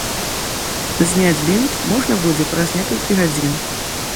Зняць бінт можна будзе праз некалькі гадзін.